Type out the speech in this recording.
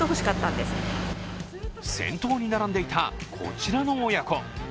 先頭に並んでいたこちらの親子。